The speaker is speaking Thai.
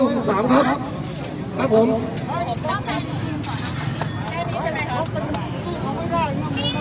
โอเคโอเคโอเค